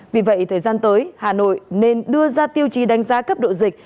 vì vậy thời gian tới hà nội nên đưa ra tiêu chí đánh giá cấp độ dịch